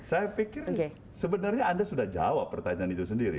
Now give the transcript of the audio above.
saya pikir sebenarnya anda sudah jawab pertanyaan itu sendiri